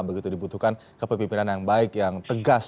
begitu dibutuhkan kepemimpinan yang baik yang tegas